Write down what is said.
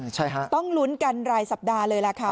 ใช่ฮะต้องลุ้นกันรายสัปดาห์เลยล่ะค่ะ